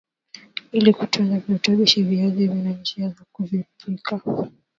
Ili kutunza virutubishi viazi vina njia za kuvipika